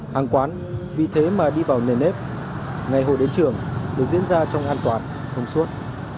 hàng quán vì thế mà đi vào nền nếp ngày hội đến trường được diễn ra trong an toàn thông suốt